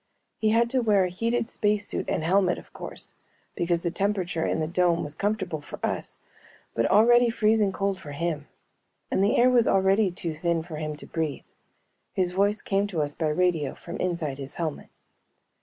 He had to wear a heated space suit and helmet, of course, because the temperature in the dome was comfortable for us but already freezing cold for him and the air was already too thin for him to breathe. His voice came to us by radio from inside his helmet.